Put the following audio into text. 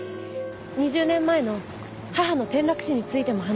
２０年前の母の転落死についても話しました。